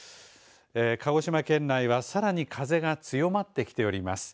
鹿児島県内はさらに風が強まってきております。